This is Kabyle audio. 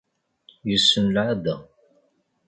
Yessen lɛada.